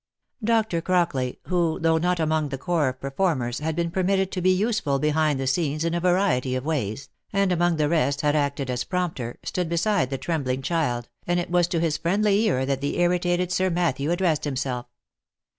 Dr. Crockley, who, though not among the corps of performers, had been permitted to be useful behind the scenes in a variety of ways, and among the rest had acted as prompter, stood beside the trembling child, and it was to his friendly ear that the irritated Sir Matthew ad dressed himself.